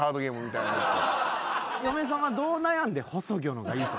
嫁さんはどう悩んで「ほそぎょ」のがいいと。